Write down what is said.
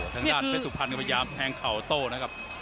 ทางด้านเพชรสุพรรณก็พยายามแทงเข่าโต้นะครับ